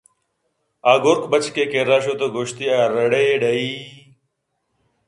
آ (گُرک) بچکّ ءِ کرّا شُت ءُ گوٛشت ئے ہَرّ ڑی ڑَہی